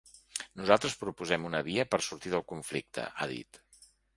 Nosaltres proposem una via per sortir del conflicte, ha dit.